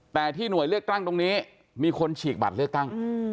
แต่ที่หน่วยเลือกตั้งตรงนี้มีคนฉีกบัตรเลือกตั้ง